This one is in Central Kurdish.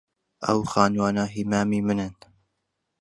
ئەو خانووانە هیی مامی منن.